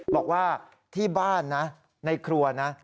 บอกว่าที่บ้านนะในครัวนะ